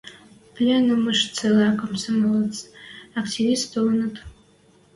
Пленумыш цилӓ комсомолец, активист толыныт.